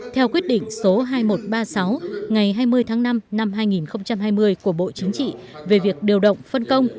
theo quyết định số hai nghìn một trăm ba mươi sáu ngày hai mươi tháng năm năm hai nghìn hai mươi của bộ chính trị về việc điều động phân công